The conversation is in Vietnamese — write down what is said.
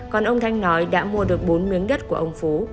còn ông thanh nói đã mua được bốn miếng đất của ông phú